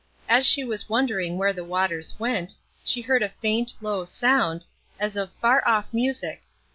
As she was wondering where the waters went, she heard a faint, low sound, as of far off music.